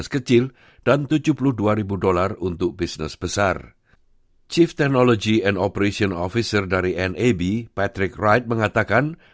ketua tentara teknologi dan operasi dari nab patrick wright mengatakan